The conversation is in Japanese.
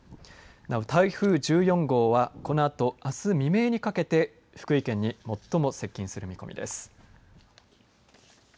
なお、台風１４号は、このあとあす未明にかけて福井県に最も接近する見込みです。